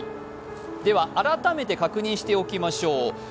改めて確認しておきましょう。